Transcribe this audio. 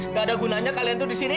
nggak ada gunanya kalian tuh di sini